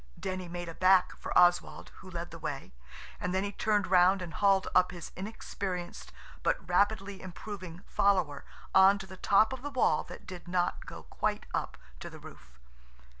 Denny made a back for Oswald, who led the way, and then he turned round and hauled up his inexperienced, but rapidly improving, follower on to the top of the wall that did not go quite up to the roof.